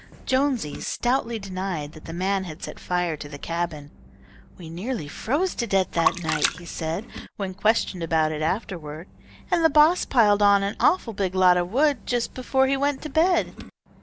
Jonesy stoutly denied that the man had set fire to the cabin. "We nearly froze to death that night," he said, when questioned about it afterward, "and the boss piled on an awful big lot of wood just before he went to bed."